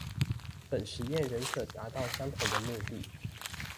本實驗仍可達到相同的目的